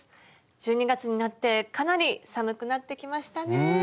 １２月になってかなり寒くなってきましたね。